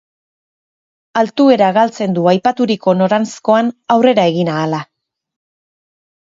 Altuera galtzen du aipaturiko noranzkoan aurrera egin ahala.